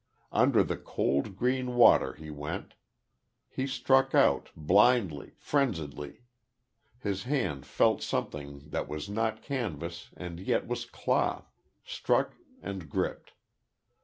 Under the cold, green water he went. He struck out, blindly, frenziedly. His hand felt something that was not canvas and yet was cloth struck, and gripped.